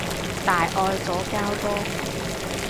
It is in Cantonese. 大愛左膠多